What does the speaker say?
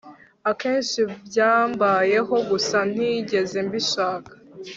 akenshi byambayeho gusa ntigeze mbishaka